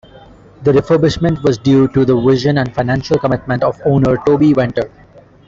The refurbishment was due to the vision and financial commitment of owner Toby Venter.